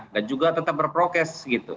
dan juga tetap berprokes